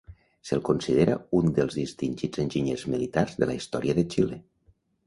Se'l considera un dels més distingits enginyers militars de la història de Xile.